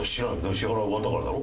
支払い終わったからだろ？